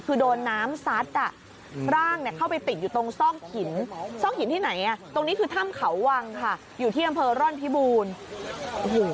คือโดนน้ำซัดอ่ะร่างเนี่ยเข้าไปติดอยู่ตรงซอกหินซอกหินที่ไหนอ่ะตรงนี้คือถ้ำเขาวังค่ะอยู่ที่อำเภอร่อนพิบูรณ์โอ้โห